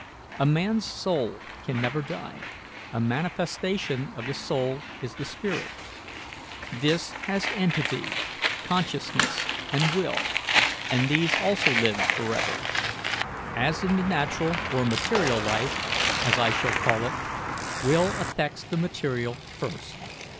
A man's soul can never die; a manifestation of the soul is the spirit; this has entity, consciousness, and will, and these also live forever. As in the natural or material life, as I shall call it, will affects the material first.